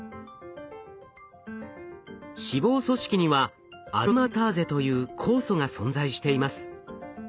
脂肪組織にはアロマターゼという酵素が存在しています。